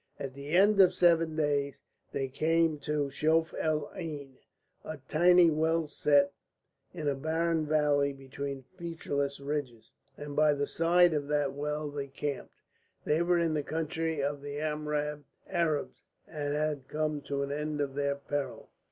At the end of seven days they came to Shof el Ain, a tiny well set in a barren valley between featureless ridges, and by the side of that well they camped. They were in the country of the Amrab Arabs, and had come to an end of their peril.